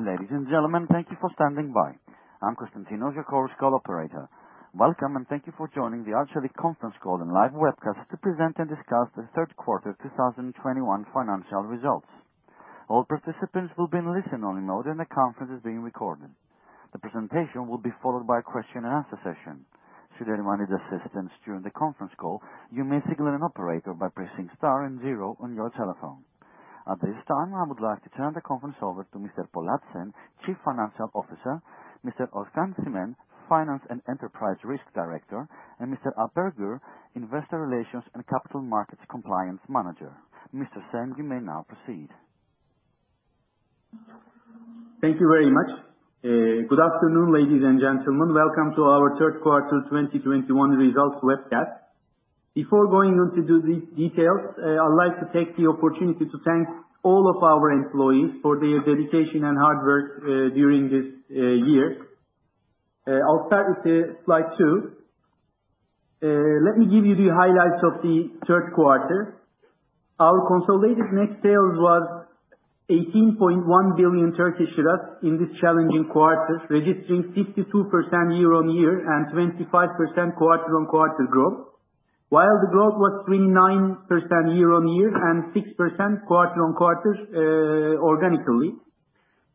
Ladies and gentlemen, thank you for standing by. I'm Konstantinos, your Chorus Call operator. Welcome, and thank you for joining the Arçelik Conference Call and Live Webcast to present and discuss the third quarter 2021 financial results. All participants will be in listen-only mode and the conference is being recorded. The presentation will be followed by a question and answer session. Should anyone need assistance during the conference call, you may signal an operator by pressing star and zero on your telephone. At this time, I would like to turn the conference over to Mr. Polat Şen, Chief Financial Officer, Mr. Özkan Çimen, Finance and Enterprise Risk Director, and Mr. Alper Gür, Investor Relations and Capital Markets Compliance Manager. Mr. Şen, you may now proceed. Thank you very much. Good afternoon, ladies and gentlemen. Welcome to our third quarter 2021 results webcast. Before going on to do the details, I'd like to take the opportunity to thank all of our employees for their dedication and hard work during this year. I'll start with slide two. Let me give you the highlights of the third quarter. Our consolidated net sales were 18.1 billion Turkish lira in this challenging quarter, registering 52% year-on-year and 25% quarter-on-quarter growth. While the growth was 39% year-on-year and 6% quarter-on-quarter, organically.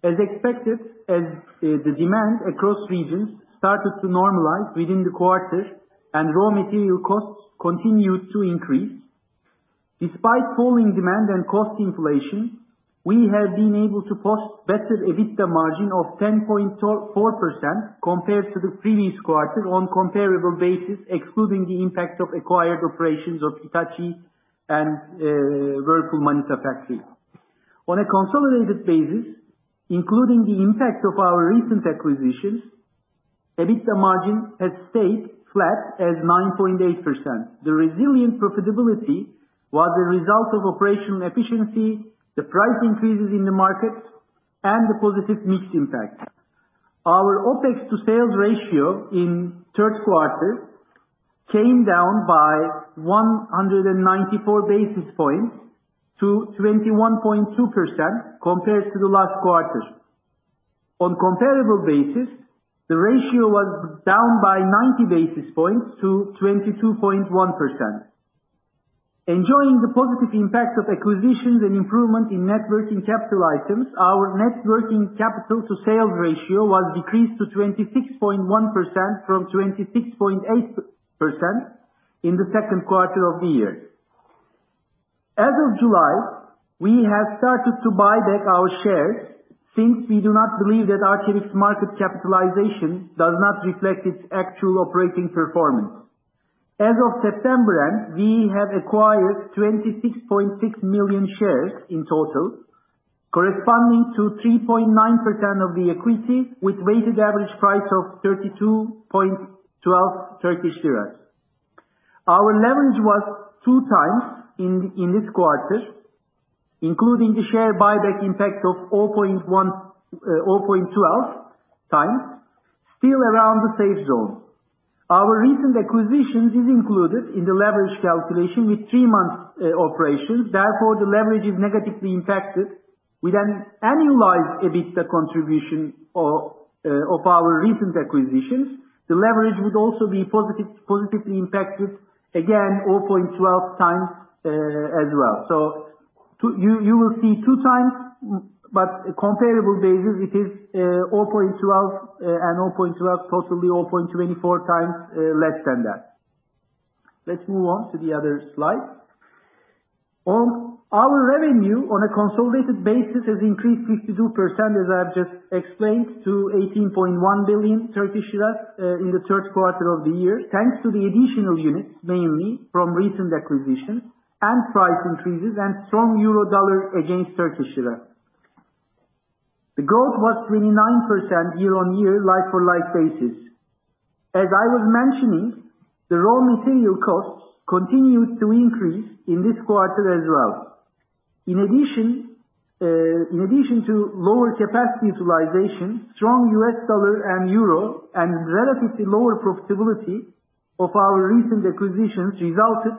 As expected, as the demand across regions started to normalize within the quarter and raw material costs continued to increase; despite falling demand and cost inflation, we have been able to post better EBITDA margin of 10.4% compared to the previous quarter on comparable basis, excluding the impact of acquired operations of Hitachi and Whirlpool Manisa Factory. On a consolidated basis, including the impact of our recent acquisitions, EBITDA margin has stayed flat as 9.8%. The resilient profitability was a result of operational efficiency, the price increases in the markets, and the positive mix impact. Our OPEX to sales ratio in third quarter came down by 194 basis points to 21.2% compared to the last quarter. On comparable basis, the ratio was down by 90 basis points to 22.1%. Enjoying the positive impact of acquisitions and improvement in net working capital items, our net working capital to sales ratio was decreased to 26.1% from 26.8% in the second quarter of the year. As of July, we have started to buy back our shares since we do not believe that Arçelik's market capitalization does not reflect its actual operating performance. As of September, we have acquired 26.6 million shares in total, corresponding to 3.9% of the equity, with weighted average price of 32.12 Turkish lira. Our leverage was 2x in this quarter, including the share buyback impact of 0.12x, still around the safe zone. Our recent acquisitions are included in the leverage calculation with 3 months operations. Therefore, the leverage is negatively impacted. With an annualized EBITDA contribution of our recent acquisitions, the leverage would also be positively impacted, again, 0.12x as well. You will see 2x, but comparable basis, it is 0.12x and 0.12x, possibly 0.24x less than that. Let's move on to the other slide. Our revenue on a consolidated basis has increased 52%, as I have just explained, to 18.1 billion in Q3, thanks to the additional units mainly from recent acquisitions and price increases and strong euro dollar against Turkish lira. The growth was 29% year-on-year like-for-like basis. As I was mentioning, the raw material costs continued to increase in this quarter as well. In addition to lower capacity utilization, strong U.S. dollar and euro, and relatively lower profitability of our recent acquisitions resulted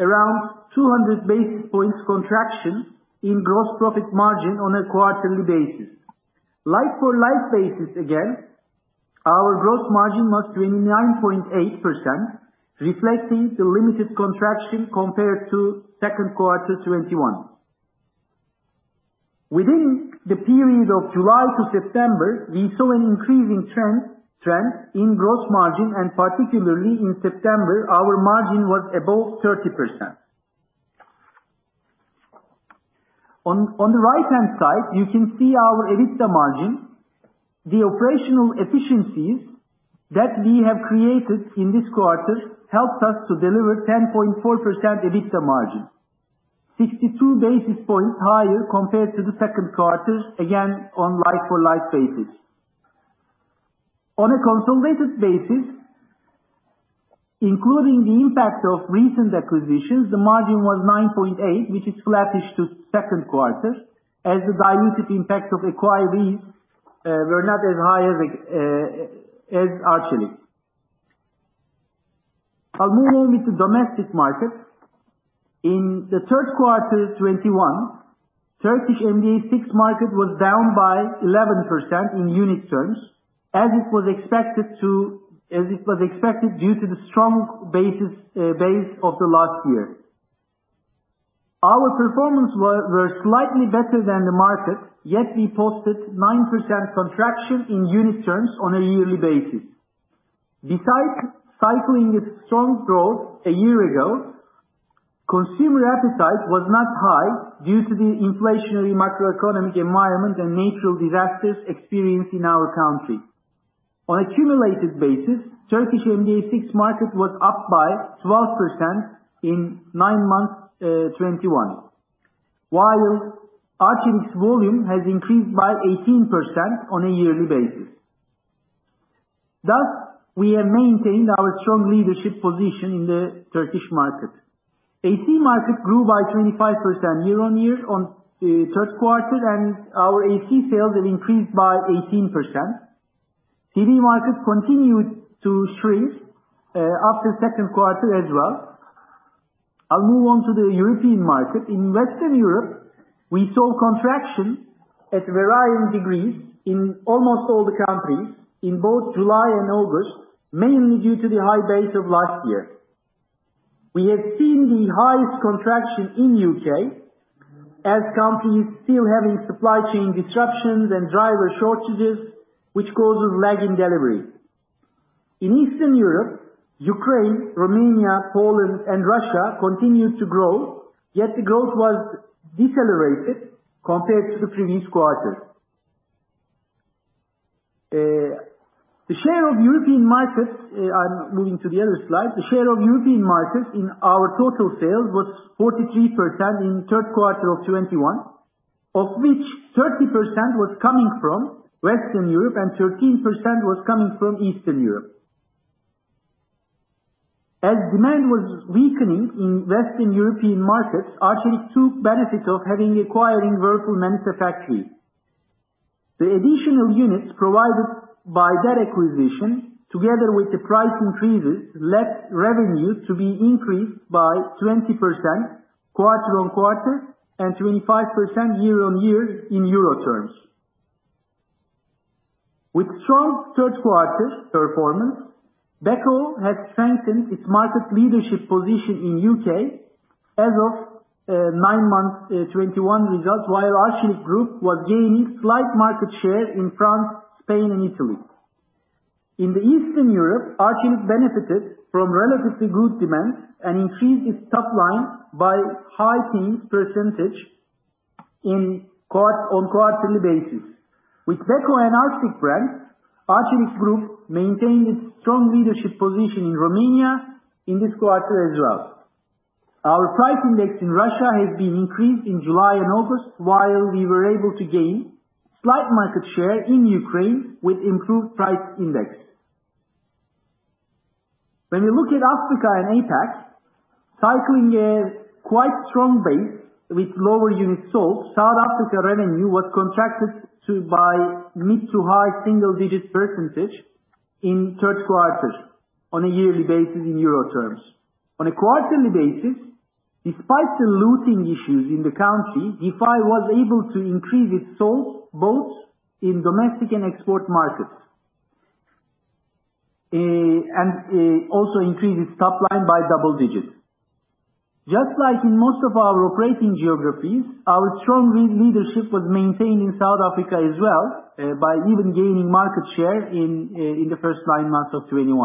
around 200 basis points contraction in gross profit margin on a quarterly basis. Like-for-like basis again, our gross margin was 29.8%, reflecting the limited contraction compared to second quarter 2021. Within the period of July to September, we saw an increasing trend in gross margin, and particularly in September, our margin was above 30%. On the right-hand side, you can see our EBITDA margin. The operational efficiencies that we have created in this quarter helped us to deliver 10.4% EBITDA margin, 62 basis points higher compared to the second quarter, again, on like-for-like basis. On a consolidated basis, including the impact of recent acquisitions, the margin was 9.8%, which is flattish to second quarter as the dilutive impact of acquirees were not as high as Arçelik. I'll move on with the domestic market. In the third quarter 2021, Turkish MDA6 market was down by 11% in unit terms, as it was expected due to the strong base of the last year. Our performance was slightly better than the market, yet we posted 9% contraction in unit terms on a yearly basis. Besides cycling its strong growth a year ago, consumer appetite was not high due to the inflationary macroeconomic environment and natural disasters experienced in our country. On accumulated basis, Turkish MDA6 market was up by 12% in 9 months 2021, while Arçelik's volume has increased by 18% on a yearly basis. Thus, we have maintained our strong leadership position in the Turkish market. AC market grew by 25% year-on-year on third quarter, and our AC sales have increased by 18%. TV market continued to shrink after second quarter as well. I'll move on to the European market. In Western Europe, we saw contraction at varying degrees in almost all the countries in both July and August, mainly due to the high base of last year. We have seen the highest contraction in U.K. as companies still having supply chain disruptions and driver shortages, which causes lag in delivery. In Eastern Europe, Ukraine, Romania, Poland, and Russia continued to grow, yet the growth was decelerated compared to the previous quarters. The share of European markets, I'm moving to the other slide. The share of European markets in our total sales was 43% in third quarter of 2021, of which 30% was coming from Western Europe and 13% was coming from Eastern Europe. As demand was weakening in Western European markets, Arçelik took benefits of having acquiring Whirlpool manufacturing. The additional units provided by that acquisition, together with the price increases, led revenue to be increased by 20% quarter-on-quarter and 25% year-on-year in euro terms. With strong third quarter performance, Beko has strengthened its market leadership position in U.K. as of 9 months 2021 results, while Arçelik group was gaining slight market share in France, Spain, and Italy. In the Eastern Europe, Arçelik benefited from relatively good demand and increased its top line by high-teen percentage on quarterly basis. With Beko and Arctic brand, Arçelik group maintained its strong leadership position in Romania in this quarter as well. Our price index in Russia has been increased in July and August, while we were able to gain slight market share in Ukraine with improved price index. When we look at Africa and APAC, cycling a quite strong base with lower units sold, South Africa revenue was contracted by mid-to-high single-digit percentage in third quarter on a yearly basis in EUR terms. On a quarterly basis, despite the looting issues in the country, Defy was able to increase its sales both in domestic and export markets, and also increase its top line by double-digits. Just like in most of our operating geographies, our strong leadership was maintained in South Africa as well by even gaining market share in the first 9 months of 2021.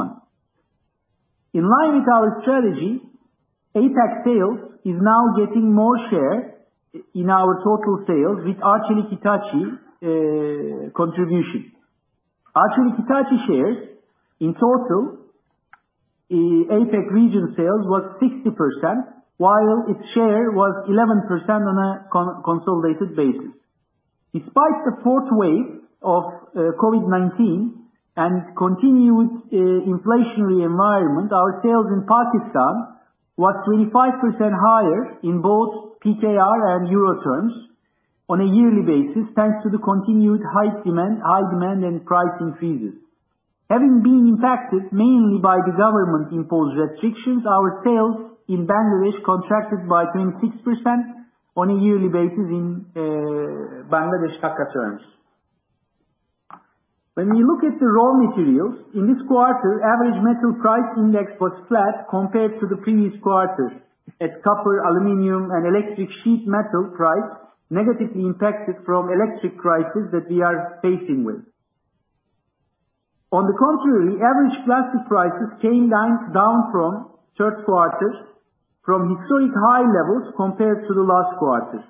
In line with our strategy, APAC sales is now getting more share in our total sales with Arçelik Hitachi contribution. Arçelik Hitachi shares in total APAC region sales was 60%, while its share was 11% on a consolidated basis. Despite the fourth wave of COVID-19 and continued inflationary environment, our sales in Pakistan was 25% higher in both PKR and EUR terms on a yearly basis, thanks to the continued high demand and price increases. Having been impacted mainly by the government imposed restrictions, our sales in Bangladesh contracted by 26% on a yearly basis in Bangladeshi taka terms. When we look at the raw materials, in this quarter, average metal price index was flat compared to the previous quarter as copper, aluminum, and electric sheet metal price negatively impacted from energy crisis that we are facing with. On the contrary, average plastic prices came down from third quarter from historic high levels compared to the last quarter,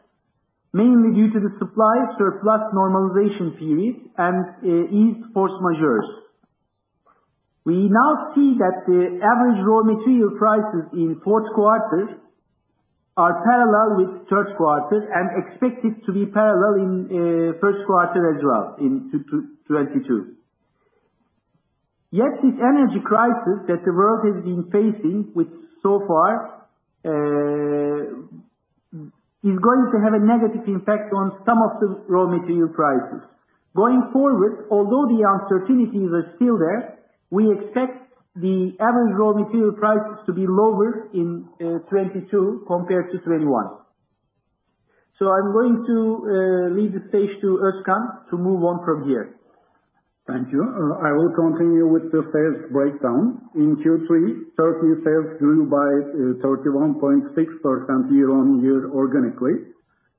mainly due to the supply surplus normalization period and eased force majeures. We now see that the average raw material prices in fourth quarter are parallel with third quarter and expected to be parallel in first quarter as well in 2022. This energy crisis that the world has been facing with so far, is going to have a negative impact on some of the raw material prices. Going forward, although the uncertainties are still there, we expect the average raw material prices to be lower in 2022 compared to 2021. I'm going to leave the stage to Özkan to move on from here. Thank you. I will continue with the sales breakdown. In Q3, Turkey sales grew by 31.6% year-on-year organically.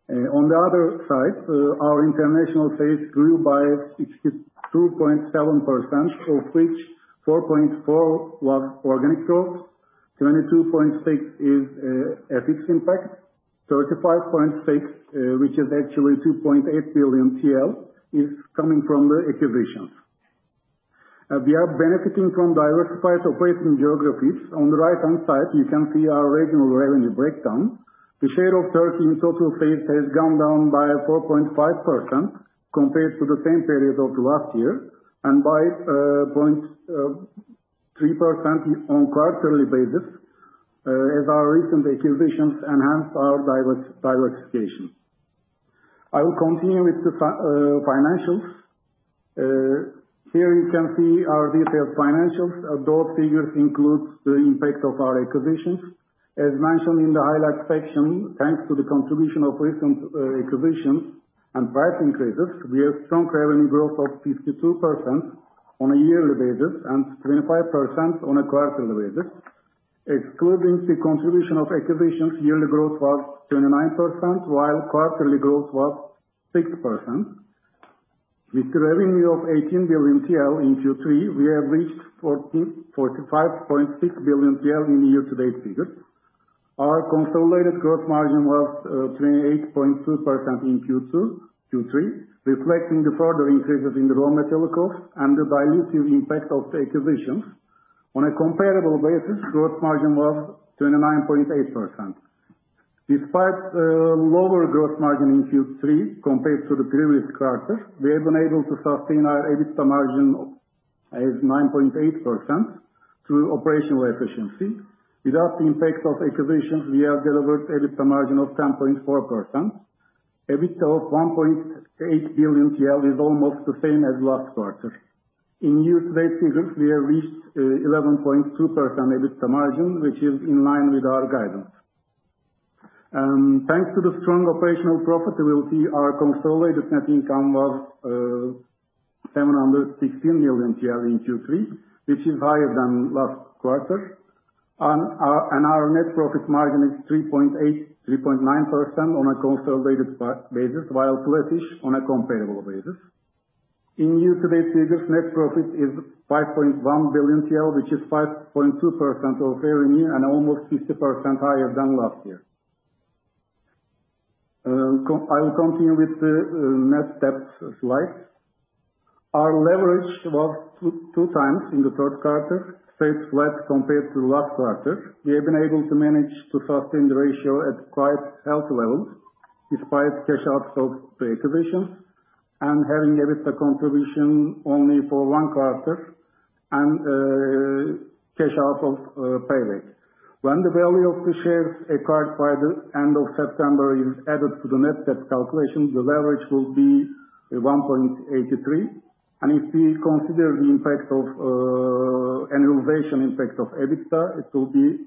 On the other side, our international sales grew by 62.7%, of which 4.4% was organic growth, 22.6% is FX impact, 35.6%, which is actually 2.8 billion TL, is coming from the acquisitions. We are benefiting from diversified operating geographies. On the right-hand side, you can see our regional revenue breakdown. The share of Turkey in total sales has gone down by 4.5% compared to the same period of last year, and by 0.3% on quarterly basis, as our recent acquisitions enhance our diversification. I will continue with the financials. Here you can see our detailed financials. Those figures include the impact of our acquisitions. As mentioned in the highlights section, thanks to the contribution of recent acquisitions and price increases, we have strong revenue growth of 52% on a yearly basis and 25% on a quarterly basis. Excluding the contribution of acquisitions, yearly growth was 29%, while quarterly growth was 6%. With revenue of 18 billion TL in Q3, we have reached 45.6 billion TL in year-to-date figures. Our consolidated gross margin was 28.2% in Q3, reflecting the further increases in the raw material costs and the dilutive impact of the acquisitions. On a comparable basis, gross margin was 29.8%. Despite lower gross margin in Q3 compared to the previous quarter, we have been able to sustain our EBITDA margin as 9.8% through operational efficiency. Without the impact of acquisitions, we have delivered EBITDA margin of 10.4%. EBITDA of 1.8 billion TL is almost the same as last quarter. In year-to-date figures, we have reached 11.2% EBITDA margin, which is in line with our guidance. Thanks to the strong operational profitability, our consolidated net income was 716 million in Q3, which is higher than last quarter. Our net profit margin is 3.9% on a consolidated basis, while flattish on a comparable basis. In year-to-date figures, net profit is 5.1 billion TL, which is 5.2% of revenue and almost 50% higher than last year. I will continue with the net debt slide. Our leverage was 2x in the third quarter, stayed flat compared to last quarter. We have been able to manage to sustain the ratio at quite healthy levels despite cash outs of the acquisitions and having EBITDA contribution only for one quarter and cash out of buyback. When the value of the shares acquired by the end of September is added to the net debt calculation, the leverage will be 1.83x. If we consider the annualization impact of EBITDA, it will be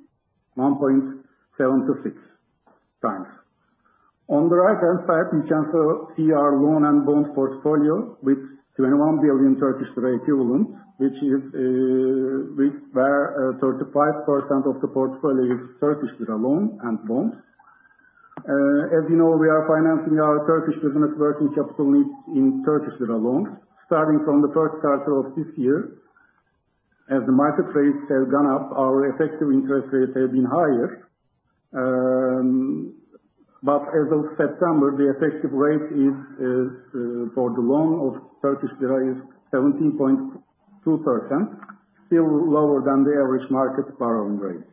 1.76x. On the right-hand side, you can see our loan and bond portfolio with 21 billion Turkish lira equivalent, where 35% of the portfolio is Turkish loan and bonds. As you know, we are financing our Turkish business working capital needs in Turkish loans. Starting from the first quarter of this year, as the market rates have gone up, our effective interest rates have been higher. As of September, the effective rate for the loan of Turkish lira is 17.2%, still lower than the average market borrowing rates.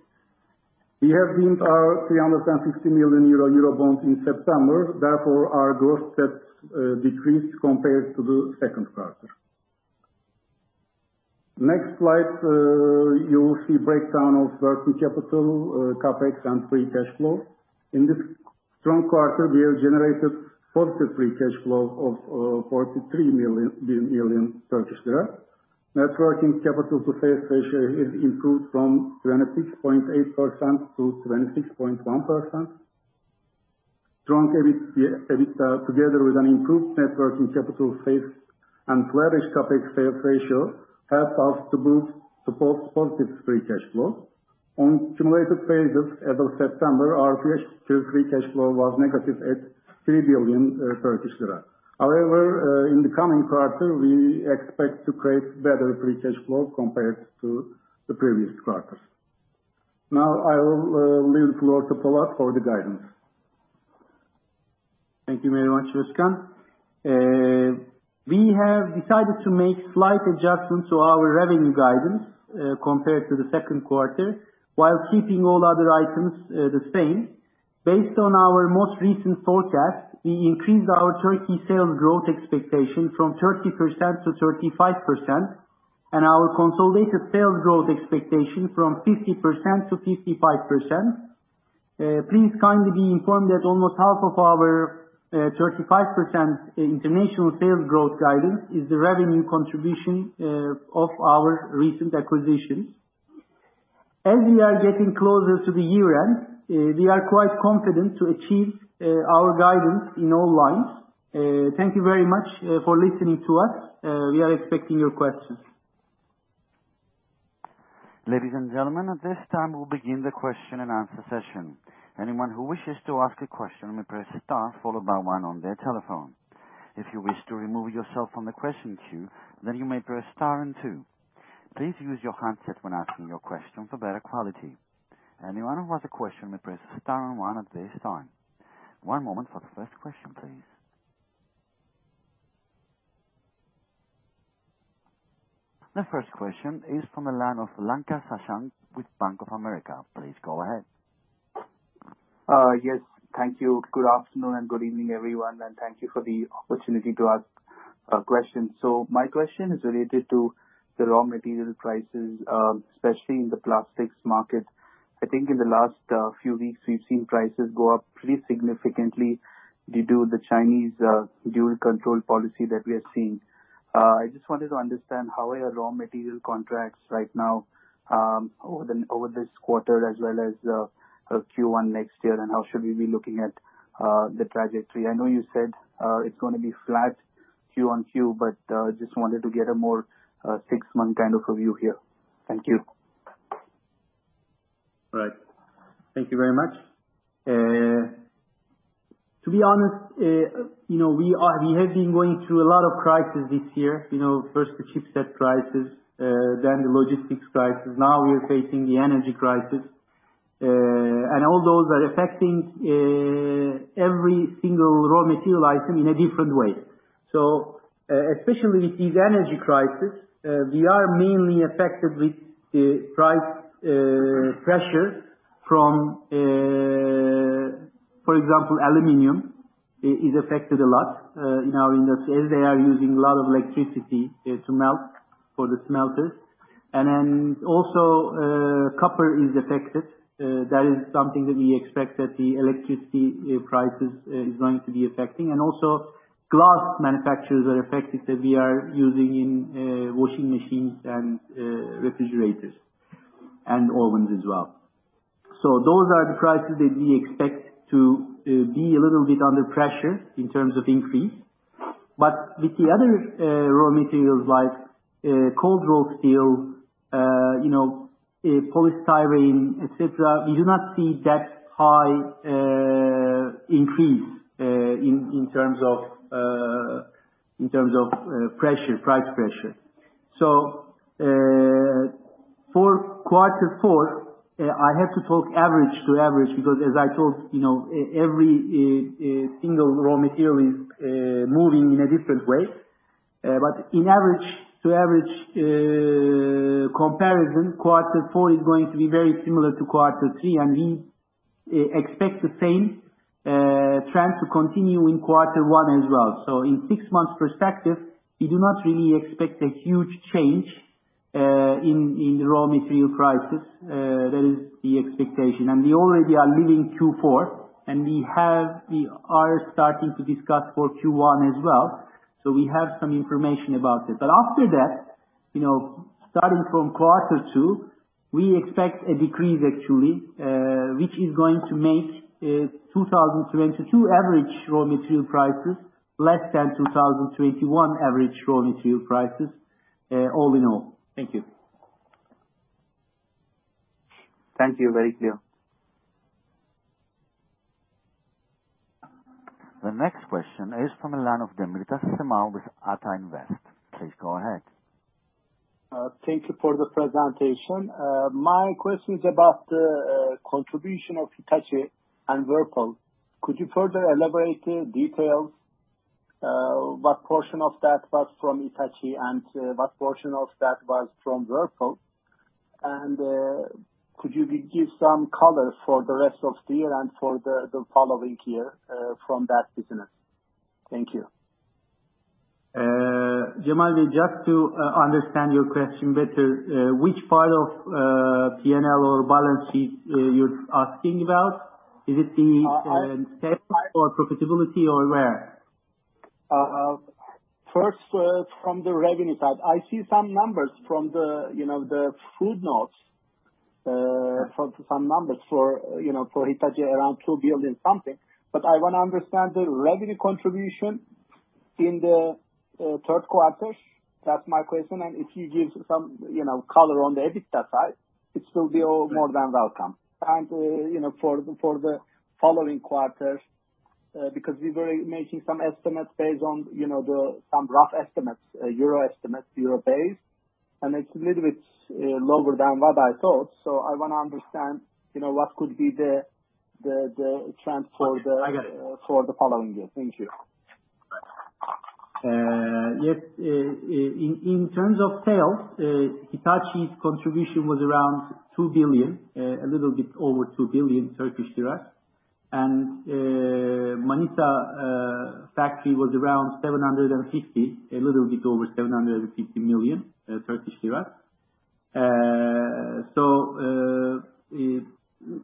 We have redeemed our 360 million euro eurobond in September, therefore our gross debt decreased compared to the second quarter. Next slide, you will see breakdown of working capital, CapEx, and free cash flow. In this strong quarter, we have generated positive free cash flow of 43 million. Net working capital to sales ratio has improved from 26.8% to 26.1%. Strong EBITDA together with an improved net working capital sales and leverage CapEx sales ratio help us to boost positive free cash flow. On cumulative basis as of September, our free cash flow was negative at 3 billion Turkish lira. However, in the coming quarter, we expect to create better free cash flow compared to the previous quarters. Now, I will leave the floor to Polat for the guidance. Thank you very much, Özkan. We have decided to make slight adjustments to our revenue guidance compared to the second quarter while keeping all other items the same. Based on our most recent forecast, we increased our Turkey sales growth expectation from 30% to 35%. Our consolidated sales growth expectation from 50% to 55%. Please kindly be informed that almost half of our 35% international sales growth guidance is the revenue contribution of our recent acquisitions. As we are getting closer to the year-end, we are quite confident to achieve our guidance in all lines. Thank you very much for listening to us. We are expecting your questions. Ladies and gentlemen, at this time, we'll begin the question-and-answer session. Anyone who wishes to ask a question may press star followed by one on their telephone. If you wish to remove yourself from the question queue, then you may press star and two. Please use your handset when asking your question for better quality. Anyone who has a question may press star and one at this time. One moment for the first question, please. The first question is from the line of Lanka Sashank with Bank of America. Please go ahead. Yes, thank you. Good afternoon and good evening, everyone, and thank you for the opportunity to ask a question. My question is related to the raw material prices, especially in the plastics market. I think in the last few weeks we've seen prices go up pretty significantly due to the Chinese dual control policy that we are seeing. I just wanted to understand how are your raw material contracts right now, over this quarter as well as Q1 next year, and how should we be looking at the trajectory? I know you said it's going to be flat Q-on-Q. Just wanted to get a more 6-month kind of view here. Thank you. Right. Thank you very much. To be honest, we have been going through a lot of crises this year. First the chipset crisis, then the logistics crisis. Now we are facing the energy crisis. All those are affecting every single raw material item in a different way. Especially with this energy crisis, we are mainly affected with price pressure from For example, aluminum is affected a lot in our industry, as they are using a lot of electricity to melt, for the smelters. Then also copper is affected. That is something that we expect that the electricity prices is going to be affecting. Also glass manufacturers are affected, that we are using in washing machines and refrigerators, and ovens as well. Those are the prices that we expect to be a little bit under pressure in terms of increase. With the other raw materials like cold rolled steel, polystyrene, et cetera, we do not see that high increase in terms of price pressure. For fourth quarter, I have to talk average to average because as I told you, every single raw material is moving in a different way. In average-to-average comparison, quarter four is going to be very similar to quarter three, and we expect the same trend to continue in quarter one as well. In 6 months, perspective, we do not really expect a huge change in the raw material prices. That is the expectation. We already are leaving Q4, and we are starting to discuss for Q1 as well. We have some information about it. After that, starting from quarter two, we expect a decrease actually, which is going to make 2022 average raw material prices less than 2021 average raw material prices, all in all. Thank you. Thank you. Very clear. The next question is from the line of Cemal Demirtaş with Ata Invest. Please go ahead. Thank you for the presentation. My question is about the contribution of Hitachi and Whirlpool. Could you further elaborate the details, what portion of that was from Hitachi and what portion of that was from Whirlpool? Could you give some color for the rest of the year and for the following year from that business? Thank you. Cemal, just to understand your question better, which part of P&L or balance sheet you're asking about? Is it the sales or profitability or where? First from the revenue side. I see some numbers from the footnotes. Some numbers for Hitachi, around 2 billion something. I want to understand the revenue contribution in the third quarter. That's my question. If you give some color on the EBITDA side, it will be more than welcome. For the following quarters, because we were making some estimates based on some rough estimates, euro estimates, euro based, and it's a little bit lower than what I thought. I want to understand what could be the trend... I got it. For the following year. Thank you. Yes. In terms of sales, Hitachi's contribution was around 2 billion, a little bit over TRY 2 billion. Manisa Factory was around 750 million, a little bit over TRY 750 million.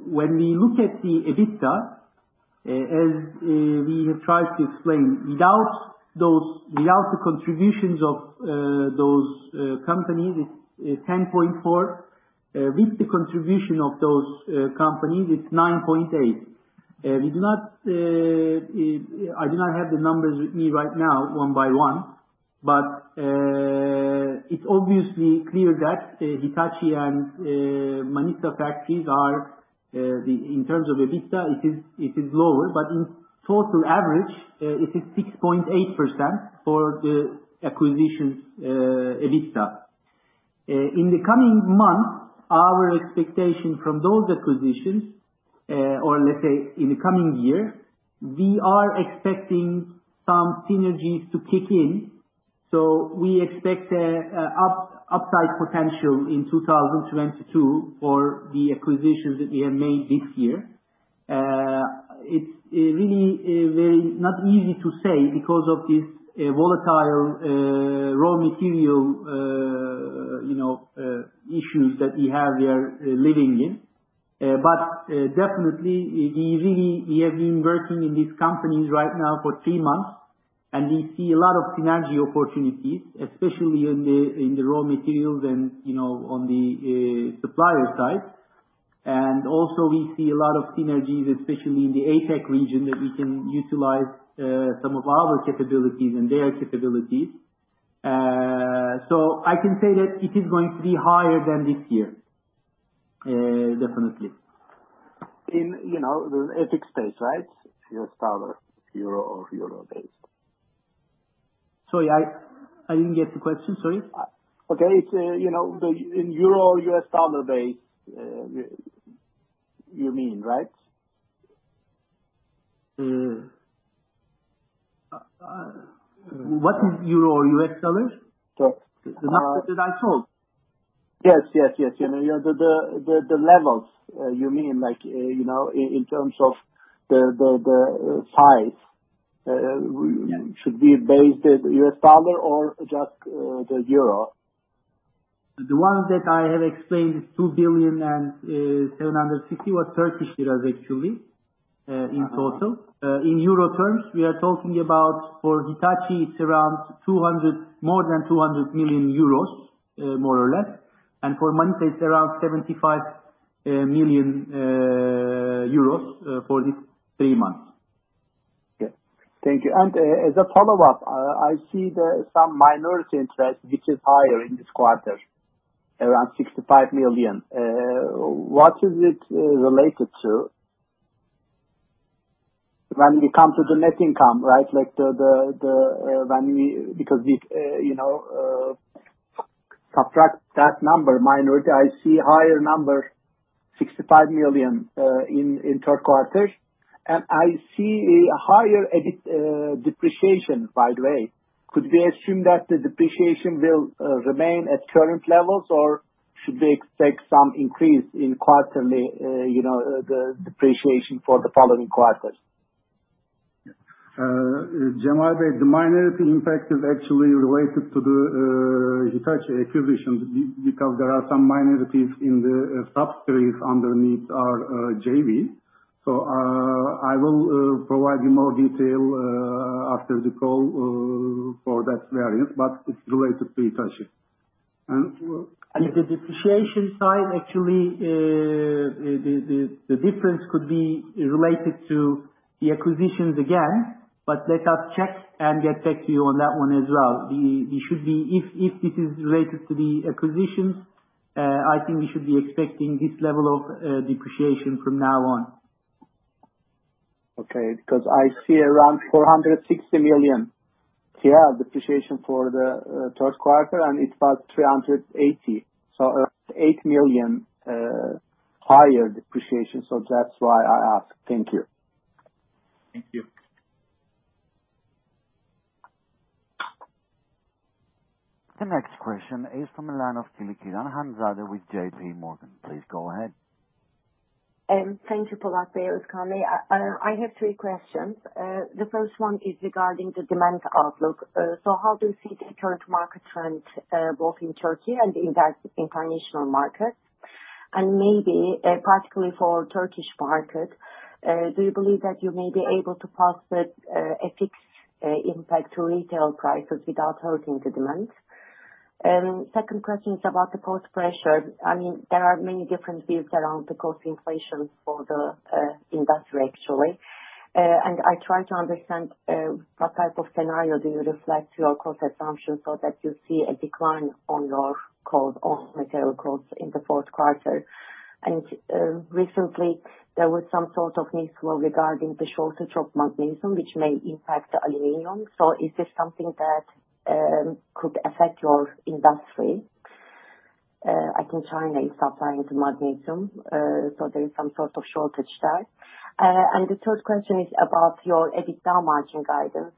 When we look at the EBITDA, as we have tried to explain, without the contributions of those companies, it is 10.4%. With the contribution of those companies, it is 9.8%. I do not have the numbers with me right now one by one. It is obviously clear that Hitachi and Manisa Factory are, in terms of EBITDA, it is lower, but in total average, it is 6.8% for the acquisitions EBITDA. In the coming months, our expectation from those acquisitions, or let's say in the coming year, we are expecting some synergies to kick in. We expect an upside potential in 2022 for the acquisitions that we have made this year. It's really not easy to say because of this volatile raw material issues that we have we are living in. Definitely, we have been working in these companies right now for 3 months, and we see a lot of synergy opportunities, especially in the raw materials and on the supplier side. We see a lot of synergies, especially in the APAC region, that we can utilize some of our capabilities and their capabilities. I can say that it is going to be higher than this year. Definitely. In the APAC space, right? U.S. dollar, euro, or euro based. Sorry, I didn't get the question. Sorry. Okay. In euro or U.S. dollar base, you mean, right? What is euro or U.S. dollars? Yes. The numbers that I told? Yes. The levels, you mean, in terms of the size? Yeah. Should it be based at U.S. dollar or just the euro? The one that I have explained is 2.75 billion actually in total. In EUR terms, we are talking about for Hitachi, it's around more than 200 million euros, more or less. For Manisa, it's around 75 million euros for this 3 months. Okay. Thank you. As a follow-up, I see there is some minority interest which is higher in this quarter, around 65 million. What is it related to when we come to the net income? If you subtract that number, minority, I see higher number, 65 million, in third quarter. I see a higher depreciation, by the way. Could we assume that the depreciation will remain at current levels, or should we expect some increase in quarterly depreciation for the following quarters? Cemal, the minority impact is actually related to the Hitachi acquisition because there are some minorities in the subsidiaries underneath our JV. I will provide you more detail after the call for that variance. It's related to Hitachi. The depreciation side actually, the difference could be related to the acquisitions again. Let us check and get back to you on that one as well. If this is related to the acquisitions, I think we should be expecting this level of depreciation from now on. Okay. I see around 460 million depreciation for the third quarter, and it was 380. 8 million higher depreciation. That's why I asked. Thank you. Thank you. The next question is from the line of Hanzade Kılıçkıran with JPMorgan. Please go ahead. Thank you for that, Özkan Bey. I have three questions. The first one is regarding the demand outlook. How do you see the current market trend, both in Turkey and in the international markets? Maybe particularly for Turkish market, do you believe that you may be able to pass the FX impact to retail prices without hurting the demand? Second question is about the cost pressure. There are many different views around the cost inflation for the industry, actually. I try to understand what type of scenario do you reflect to your cost assumption so that you see a decline on your material costs in the fourth quarter. Recently, there was some sort of news flow regarding the shortage of magnesium, which may impact the aluminum. Is this something that could affect your industry? I think China is supplying the magnesium, so there is some sort of shortage there. The third question is about your EBITDA margin guidance.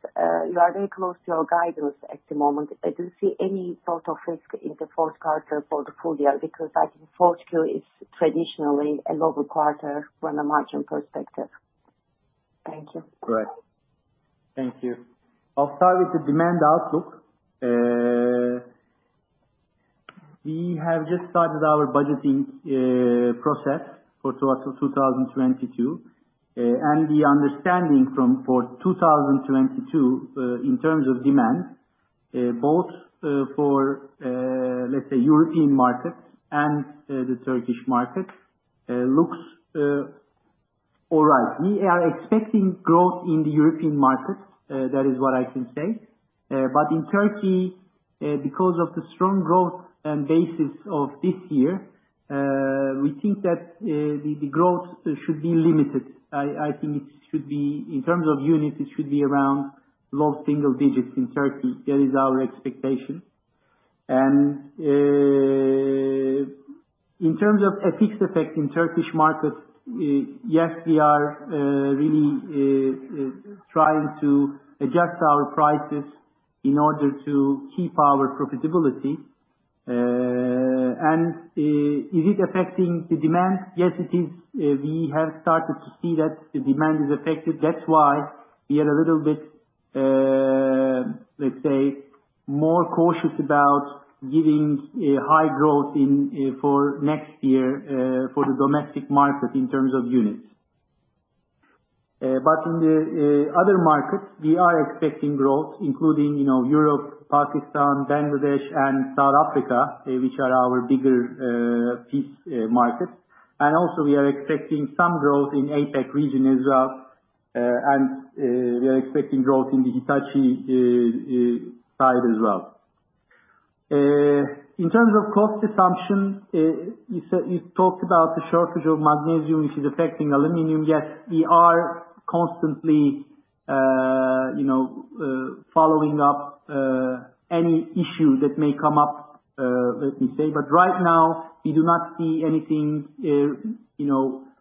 You are very close to your guidance at the moment. Do you see any sort of risk in the fourth quarter for the full year? Because I think 4Q is traditionally a lower quarter from a margin perspective. Thank you. Right. Thank you. I'll start with the demand outlook. We have just started our budgeting process for towards 2022. The understanding for 2022, in terms of demand, both for, let's say European market and the Turkish market, looks all right. We are expecting growth in the European market, that is what I can say. In Turkey, because of the strong growth and basis of this year, we think that the growth should be limited. I think in terms of units, it should be around low single digits in Turkey. That is our expectation. In terms of FX effect in Turkish markets, yes, we are really trying to adjust our prices in order to keep our profitability. Is it affecting the demand? Yes, it is. We have started to see that the demand is affected. That's why we are a little bit, let's say, more cautious about giving high growth for next year, for the domestic market in terms of units. In the other markets, we are expecting growth, including Europe, Pakistan, Bangladesh, and South Africa, which are our bigger piece markets. Also we are expecting some growth in APAC region as well. We are expecting growth in the Hitachi side as well. In terms of cost assumption, you talked about the shortage of magnesium, which is affecting aluminum. Yes, we are constantly following up any issue that may come up, let me say. Right now, we do not see anything,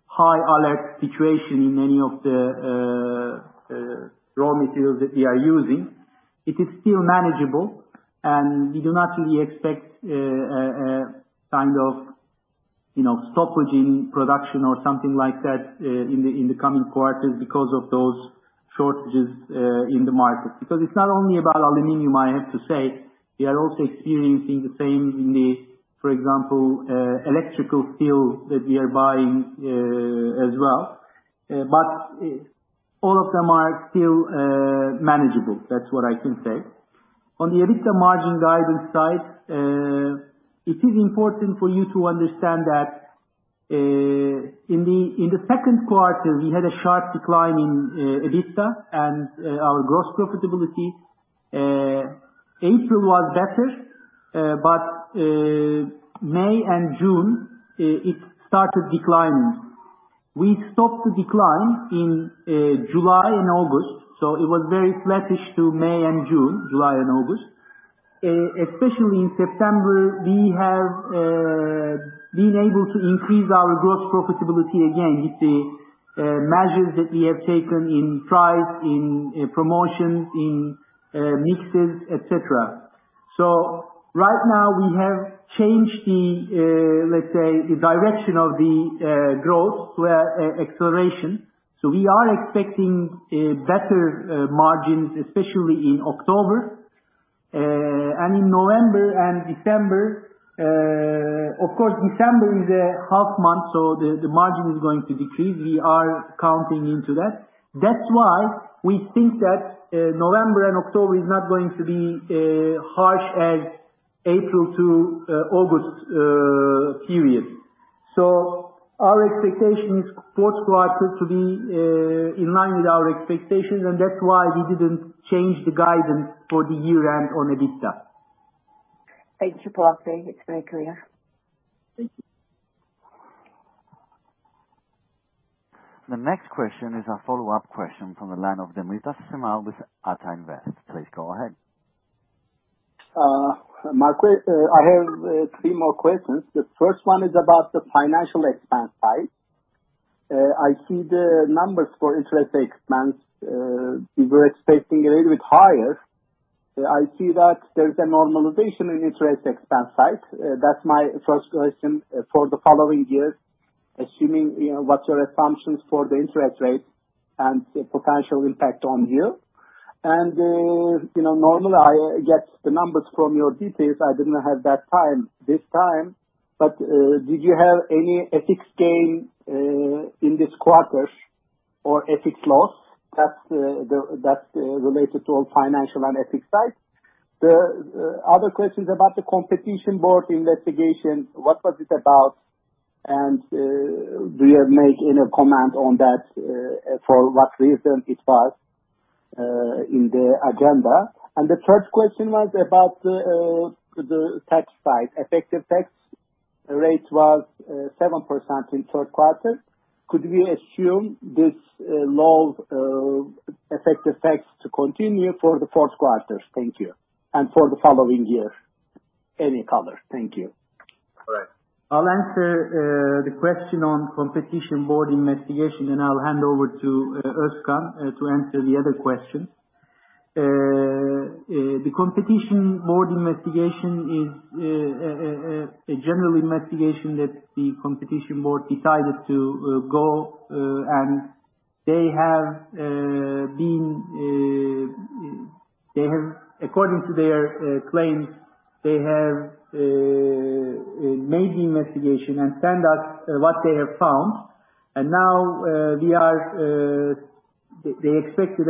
high alert situation in any of the raw materials that we are using. It is still manageable, and we do not really expect any kind of stoppage in production or something like that in the coming quarters because of those shortages in the market. It's not only about aluminum, I have to say. We are also experiencing the same in the, for example, electrical steel that we are buying as well. All of them are still manageable. That's what I can say. On the EBITDA margin guidance side, it is important for you to understand that in the second quarter, we had a sharp decline in EBITDA and our gross profitability. April was better, but May and June, it started declining. We stopped the decline in July and August, so it was very flattish to May and June, July and August. Especially in September, we have been able to increase our gross profitability again with the measures that we have taken in price, in promotions, in mixes, et cetera. Right now we have changed the, let's say, the direction of the growth to acceleration. We are expecting better margins, especially in October. In November and December, of course, December is a half month, so the margin is going to decrease. We are counting into that. That's why we think that November and October is not going to be harsh as April to August period. Our expectation is fourth quarter to be in line with our expectations, and that's why we didn't change the guidance for the year end on EBITDA. Thank you, Polat Şen. It's very clear. The next question is a follow-up question from the line of Cemal Demirtaş with Ata Invest. Please go ahead. I have three more questions. The first one is about the financial expense side. I see the numbers for interest expense. We were expecting a little bit higher? I see that there is a normalization in interest expense side. That is my first question. For the following years, assuming, what are your assumptions for the interest rate and the potential impact on you? Normally I get the numbers from your details. I did not have that this time. Did you have any FX gain in this quarter or FX loss? That is related to financial and FX side. The other question is about the Competition Board investigation. What was it about? Do you make any comment on that, for what reason it was in the agenda? The third question was about the tax side. Effective tax rate was 7% in third quarter. Could we assume this low effective tax to continue for the fourth quarters? Thank you. For the following year, any color? Thank you. I'll answer the question on competition board investigation, and I'll hand over to Özkan to answer the other questions. The Competition Board investigation is a general investigation that the Competition Board decided to go. According to their claims, they have made the investigation and sent us what they have found. Now they expect a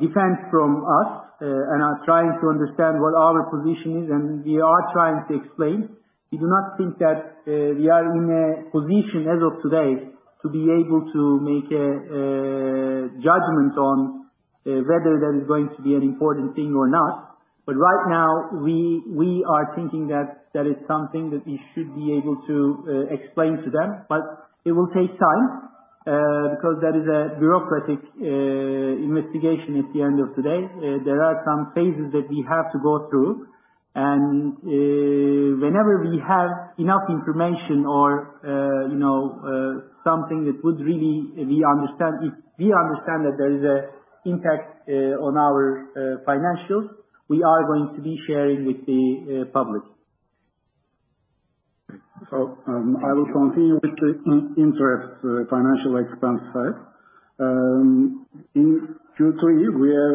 defense from us, and are trying to understand what our position is, and we are trying to explain. We do not think that we are in a position as of today to be able to make a judgment on whether that is going to be an important thing or not. Right now, we are thinking that that is something that we should be able to explain to them. It will take time, because that is a bureaucratic investigation at the end of the day. There are some phases that we have to go through. Whenever we have enough information or something that we understand that there is an impact on our financials, we are going to be sharing with the public. I will continue with the interest financial expense side. In Q3, we have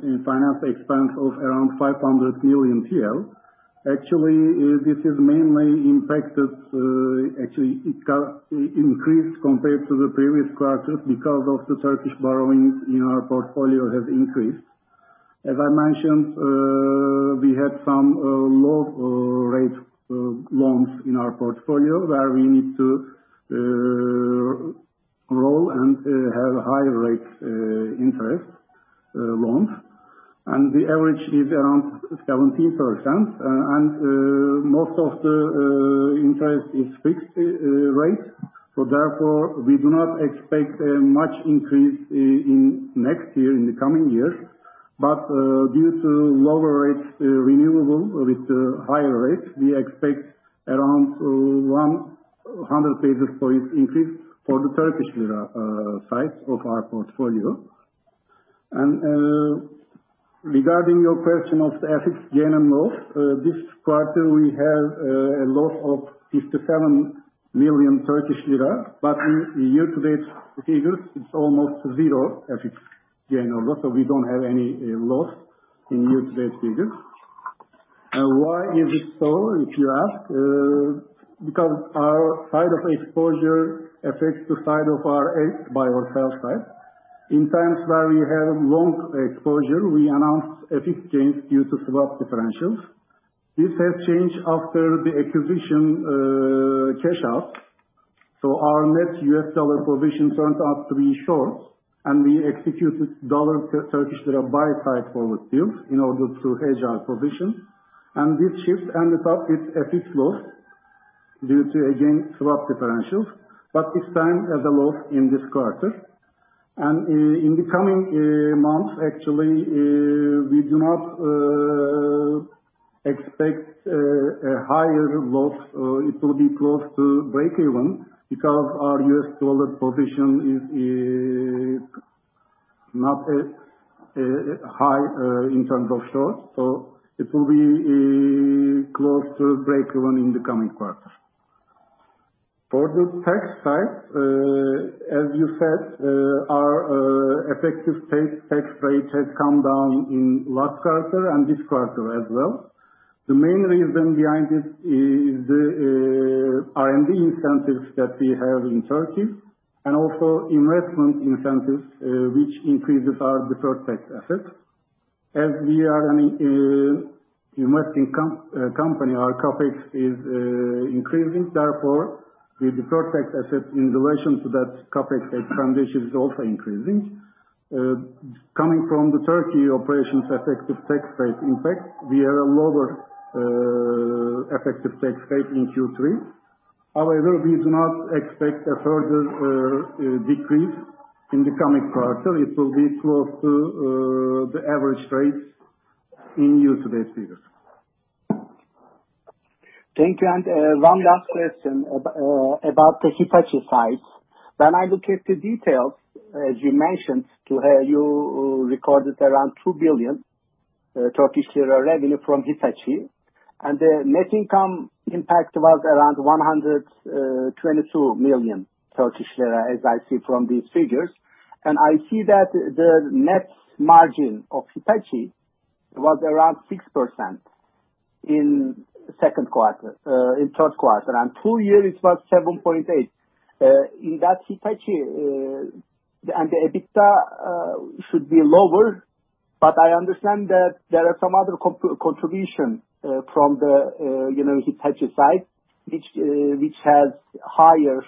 a finance expense of around 500 million TL. Actually, this increased compared to the previous quarters because of the Turkish borrowings in our portfolio have increased. As I mentioned, we had some low rate loans in our portfolio where we need to roll and have high rates interest loans. The average is around 17%, and most of the interest is fixed rate. Therefore, we do not expect much increase in next year, in the coming years. Due to lower rates renewable with higher rates, we expect around 100 basis points increase for the Turkish lira side of our portfolio. Regarding your question of FX gain and loss, this quarter we have a loss of 57 million Turkish lira. In year-to-date figures, it's almost 0 FX gain or loss, so we don't have any loss in year-to-date figures. Why is it so, if you ask? Because our side of exposure affects the side of our hedge buy or sell side. In times where we have long exposure, we announce FX gains due to swap differentials. This has changed after the acquisition cash out. Our net U.S. dollar position turned out to be short, and we executed dollar Turkish lira buy side forward deals in order to hedge our position. This shift ended up with an FX loss due to, again, swap differentials, but this time as a loss in this quarter. In the coming months actually, we do not expect a higher loss. It will be close to breakeven because our U.S. dollar position is not high in terms of shorts. It will be close to breakeven in the coming quarter. For the tax side, as you said, our effective tax rate has come down in last quarter and this quarter as well. The main reason behind it is the R&D incentives that we have in Turkey, and also investment incentives, which increases our deferred tax assets. As we are an investing company, our CapEx is increasing. Therefore, with deferred tax asset in relation to that CapEx foundation is also increasing. Coming from the Turkey operations effective tax rate impact, we are a lower effective tax rate in Q3. We do not expect a further decrease in the coming quarter. It will be close to the average rates in year-to-date figures. Thank you. One last question about the Hitachi side. When I look at the details, as you mentioned to her, you recorded around 2 billion Turkish lira revenue from Hitachi, and the net income impact was around 122 million Turkish lira, as I see from these figures. I see that the net margin of Hitachi was around 6% in third quarter. Two years was 7.8%. In that Hitachi, the EBITDA should be lower, but I understand that there are some other contribution from the Hitachi side, which has higher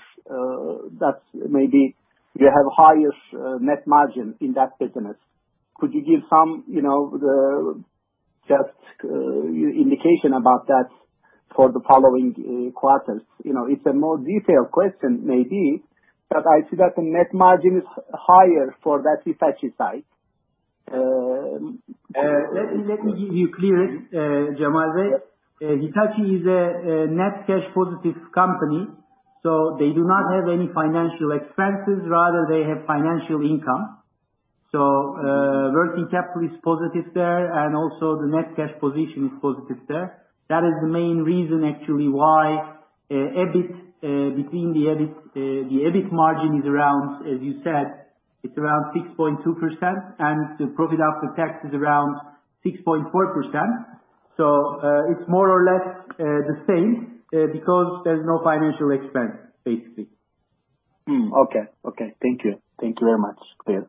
net margin in that business. Could you give just indication about that for the following quarters? It's a more detailed question maybe, but I see that the net margin is higher for that Hitachi side. Let me give you clearance, Cemal. Hitachi is a net cash positive company, so they do not have any financial expenses. Rather, they have financial income. Working capital is positive there, and also the net cash position is positive there. That is the main reason, actually, why between the EBIT margin is around, as you said, it's around 6.2%, and the profit after tax is around 6.4%. It's more or less the same because there's no financial expense, basically. Okay. Thank you. Thank you very much. Clear.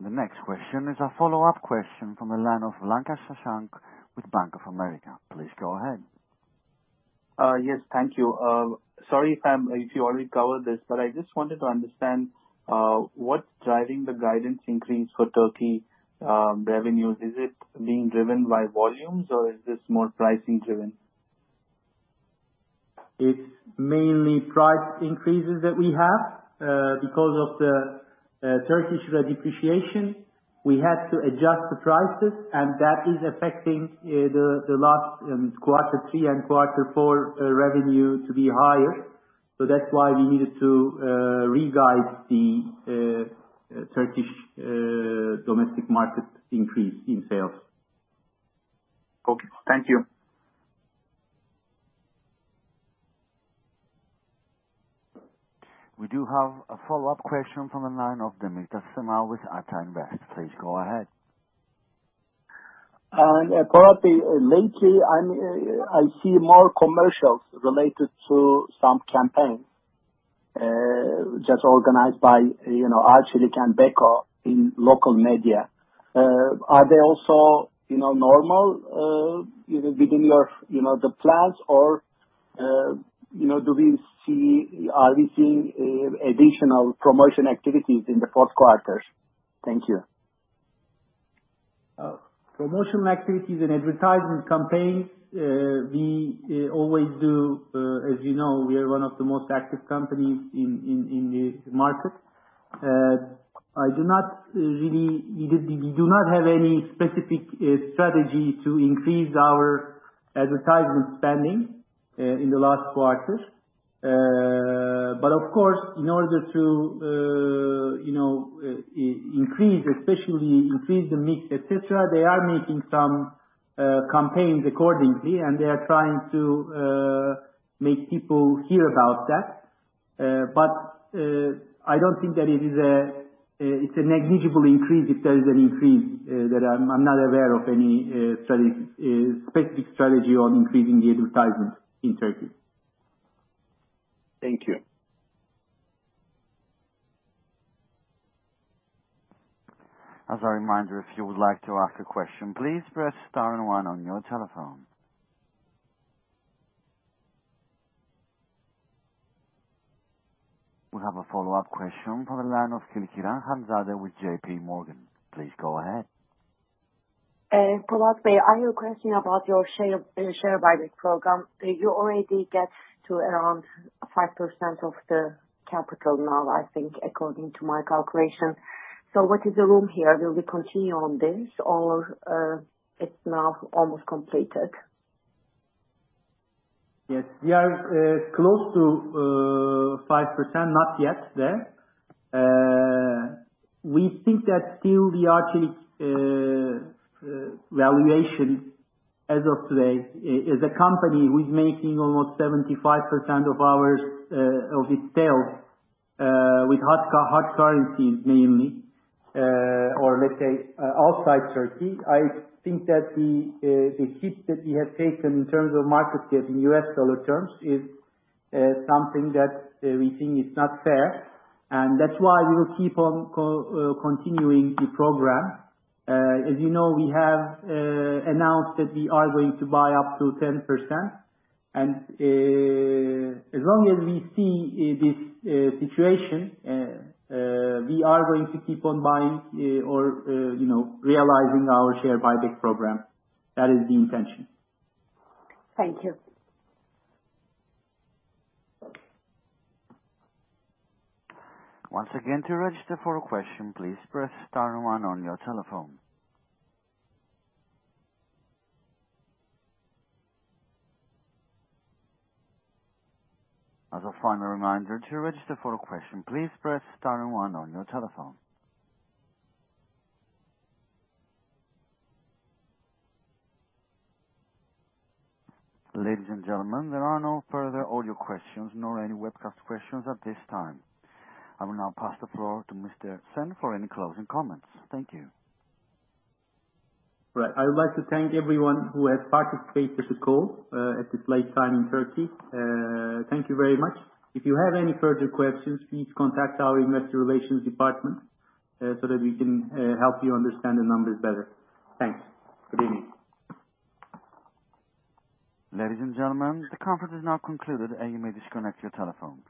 The next question is a follow-up question from the line of Shashank Lanka with Bank of America. Please go ahead. Yes, thank you. Sorry if you already covered this, but I just wanted to understand, what's driving the guidance increase for Turkey revenue? Is it being driven by volumes or is this more pricing driven? It's mainly price increases that we have. Because of the Turkish lira depreciation, we had to adjust the prices, and that is affecting the last quarter three and quarter four revenue to be higher. That's why we needed to re-guide the Turkish domestic market increase in sales. Okay. Thank you. We do have a follow-up question from the line of Cemal Demirtaş with Ata Invest. Please go ahead. Polat, lately, I see more commercials related to some campaigns, just organized by Arçelik and Beko in local media. Are they also normal within the plans? Or are we seeing additional promotion activities in the fourth quarter? Thank you. Promotion activities and advertisement campaigns, we always do. As you know, we are one of the most active companies in the market. We do not have any specific strategy to increase our advertisement spending in the last quarter. Of course, in order to increase, especially increase the mix, et cetera, they are making some campaigns accordingly, and they are trying to make people hear about that. I don't think that it is a negligible increase if there is an increase. I'm not aware of any specific strategy on increasing the advertisement in Turkey. Thank you. As a reminder, if you would like to ask a question, please press star and one on your telephone. We have a follow-up question from the line of Hanzade Kılıçkıran with JPMorgan. Please go ahead. Polat, I have a question about your share buyback program. You already get to around 5% of the capital now, I think, according to my calculation. What is the room here? Will we continue on this or it's now almost completed? Yes. We are close to 5%, not yet there. We think that still the Arçelik valuation as of today is a company who is making almost 75% of its sales with hard currencies mainly, or let's say outside Turkey. I think that the hit that we have taken in terms of market cap in U.S. dollar terms is something that we think is not fair, and that's why we will keep on continuing the program. As you know, we have announced that we are going to buy up to 10%, and as long as we see this situation, we are going to keep on buying or realizing our share buyback program. That is the intention. Thank you. Once again, to register for a question, please press star and one on your telephone. As a final reminder, to register for a question, please press star and one on your telephone. Ladies and gentlemen, there are no further audio questions nor any webcast questions at this time. I will now pass the floor to Mr. Şen for any closing comments. Thank you. Right. I would like to thank everyone who has participated in this call at this late time in Turkey. Thank you very much. If you have any further questions, please contact our investor relations department so that we can help you understand the numbers better. Thanks. Good evening. Ladies and gentlemen, the conference is now concluded, and you may disconnect your telephone.